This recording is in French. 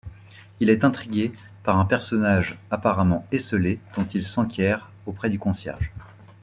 Il est intrigué par un personnage apparemment esseulé, dont il s’enquiert auprès du concierge.